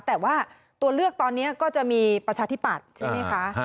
แต่ว่าตัวเลือกตอนนี้ก็จะมีประชาธิปัตย์ใช่ไหมคะ